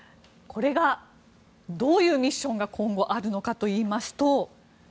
どういうミッションが今後あるのかといいますと。